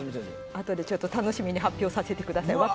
ちょっと楽しみに発表させてください。